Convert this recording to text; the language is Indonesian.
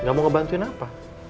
nggak mau ngebantuin apa